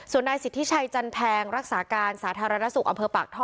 ส่วนนายสิทธิชัยจันแพงรักษาการสาธารณสุขอำเภอปากท่อ